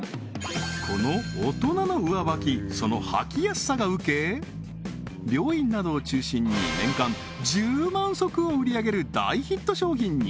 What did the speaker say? このオトナノウワバキその履きやすさがウケ病院などを中心に年間１０万足を売り上げる大ヒット商品に！